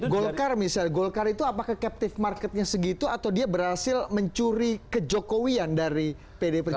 golkar misalnya golkar itu apakah captive marketnya segitu atau dia berhasil mencuri kejokowian dari pdi perjuangan